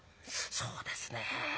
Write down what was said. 「そうですねえ」。